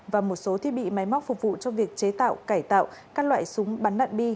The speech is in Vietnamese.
và một số thiết bị máy móc phục vụ cho việc chế tạo cải tạo các loại súng bắn đạn bi